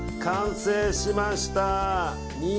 完成しました！